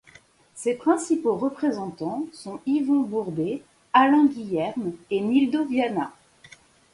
Ses principaux représentants sont Yvon Bourdet, Alain Guillerm et Nildo Viana.